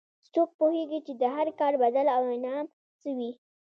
څوک پوهیږي چې د هر کار بدل او انعام څه وي